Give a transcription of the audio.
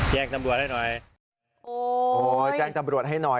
แจ้งตำรวจให้หน่อยโอ้โหแจ้งตำรวจให้หน่อย